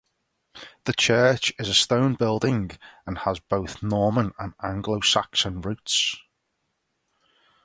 The church is a stone building and has both Norman and Anglo Saxon roots.